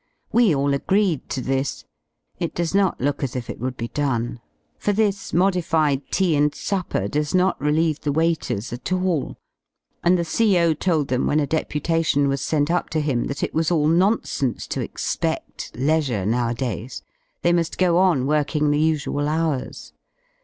We all agreed to this. It does not look as if it would be done. For this modified tea and supper does not relieve the waiters at all, and the CO. told them when a deputation was sent up to him that it was all nonsense to exped: leisure nowadays, they mu^ go on working the usual hours.